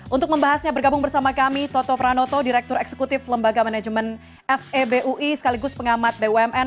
untuk membahasnya bergabung bersama kami toto pranoto direktur eksekutif lembaga manajemen febui sekaligus pengamat bumn